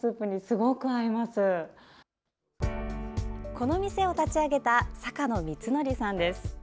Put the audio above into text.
この店を立ち上げた坂野充学さんです。